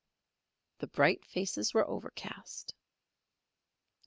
The bright faces were overcast.